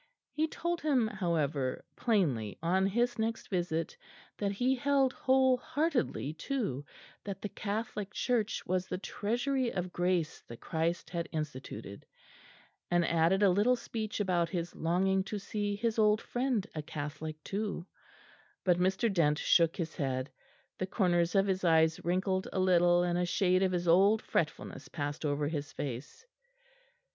He told him, however, plainly on his next visit that he held whole heartedly too that the Catholic Church was the treasury of Grace that Christ had instituted, and added a little speech about his longing to see his old friend a Catholic too; but Mr. Dent shook his head. The corners of his eyes wrinkled a little, and a shade of his old fretfulness passed over his face.